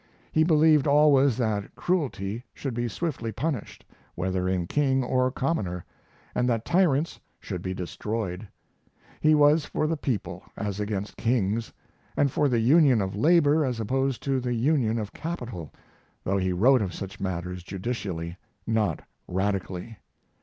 He believed always that cruelty should be swiftly punished, whether in king or commoner, and that tyrants should be destroyed. He was for the people as against kings, and for the union of labor as opposed to the union of capital, though he wrote of such matters judicially not radically.